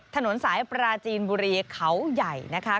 ถนนสายปราจีนบุรีเขาใหญ่นะคะ